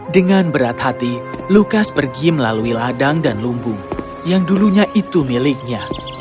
dengan berat hati lukas pergi melalui ladang dan lumbung yang dulunya itu miliknya